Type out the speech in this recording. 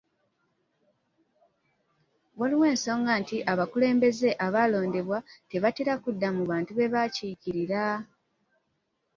Waliwo ensonga nti abakulembeze abalondebwa tebatera kudda mu bantu be bakiikirira.